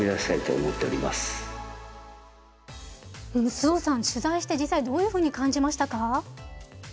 周防さん取材して実際どういうふうに感じましたか？